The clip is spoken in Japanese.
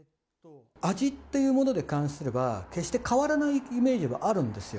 味っていうもので関すれば、決して変わらないイメージはあるんですよ。